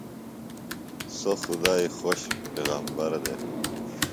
سوۡ خدائی خوۡش پیغمبر دےۡ۔